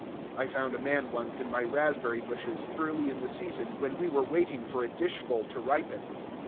I found a man once in my raspberry bushes, early in the season, when we were waiting for a dishful to ripen.